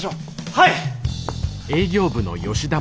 はい！